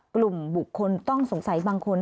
กลุ่มบุคคลต้องสงสัยบางคน